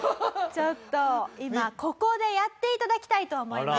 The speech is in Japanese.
ちょっと今ここでやって頂きたいと思います。